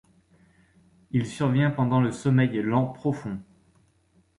Il survient pendant le sommeil lent profond.